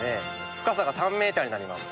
深さが３メーターになります。